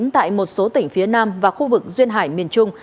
tại một số tỉnh phía nam và khu vực duyên hải miền trung